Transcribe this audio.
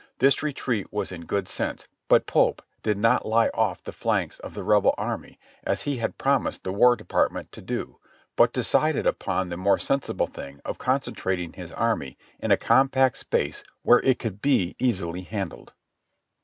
This retreat was in good sense, but Pope did not lie off the flanks of the Rebel army as he had promised the War Department to do, but decided upon the more sensible thing of concentrating his army in a compact space where it could be easily handled.